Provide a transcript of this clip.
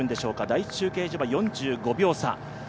第１中継所は４５秒差。